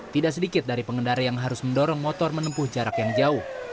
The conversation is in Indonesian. tidak sedikit dari pengendara yang harus mendorong motor menempuh jarak yang jauh